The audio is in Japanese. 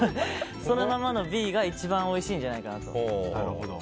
そのままのＢが一番おいしいんじゃないかなと。